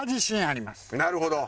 なるほど。